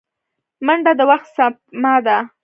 منډه د وخت سپما ده